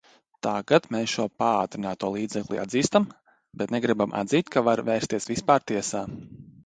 Tagad mēs šo paātrināto līdzekli atzīstam, bet negribam atzīt, ka var vērsties vispār tiesā.